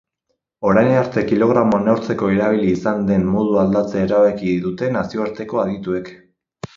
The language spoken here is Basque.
Orain arte kilogramoa neurtzeko erabili izan den modua aldatzea erabaki dute nazioarteko adituek.